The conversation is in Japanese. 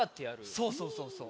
そうそうそうそう。